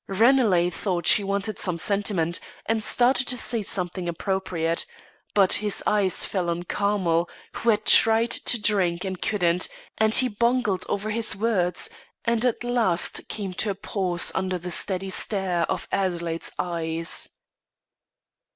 Ranelagh thought she wanted some sentiment, and started to say something appropriate; but his eye fell on Carmel, who had tried to drink and couldn't, and he bungled over his words and at last came to a pause under the steady stare of Adelaide's eyes.